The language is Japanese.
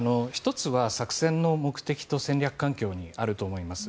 １つは作戦の目的と戦略環境にあると思います。